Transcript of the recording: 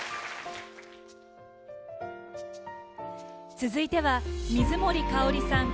続いては水森かおりさん